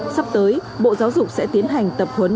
sắp tới bộ giáo dục sẽ tiến hành tập huấn